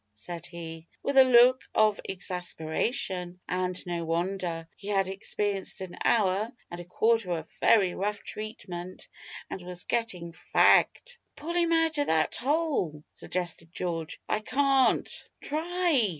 said he, with a look of exasperation, (and no wonder; he had experienced an hour and a quarter of very rough treatment, and was getting fagged). "Pull him out of that hole," suggested George. "I can't." "Try."